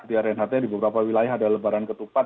di rnht di beberapa wilayah ada lebaran ketupat